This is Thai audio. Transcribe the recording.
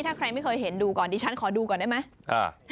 ถ้าใครไม่เคยเห็นดูก่อนดิฉันขอดูก่อนได้ไหม